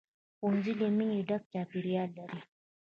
ښوونځی له مینې ډک چاپېریال لري